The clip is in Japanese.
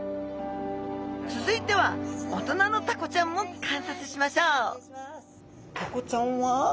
続いては大人のタコちゃんも観察しましょうマダコちゃんは？